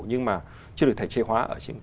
nhưng mà chưa được thể chế hóa ở trên